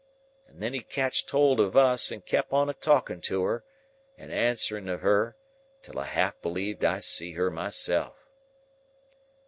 And then he catched hold of us, and kep on a talking to her, and answering of her, till I half believed I see her myself.